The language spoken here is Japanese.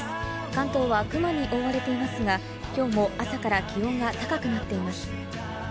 関東は雲に覆われていますが、きょうも朝から気温が高くなっています。